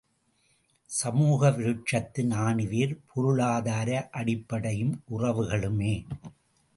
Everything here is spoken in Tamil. சமூக விருட்சத்தின் ஆணிவேர் பொருளாதார அடிப்படையும், உறவுகளுமே.